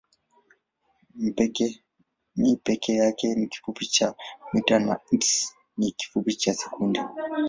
m peke yake ni kifupi cha mita na s ni kifupi cha sekunde.